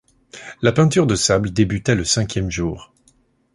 La peinture de sable débutait le cinquième jour.